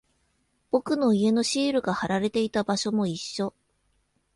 僕の家のシールが貼られていた場所も一緒。